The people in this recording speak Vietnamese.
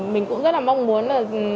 mình cũng rất là mong muốn